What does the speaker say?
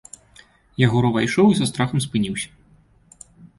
Ягор увайшоў і са страхам спыніўся.